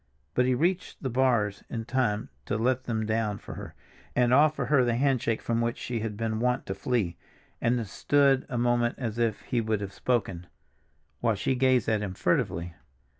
But he reached the bars in time to let them down for her, and offer her the handshake from which she had been wont to flee, and then stood a moment as if he would have spoken, while she gazed at him furtively.